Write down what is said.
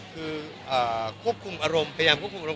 คือควบคุมอารมณ์พยายามควบคุมอารม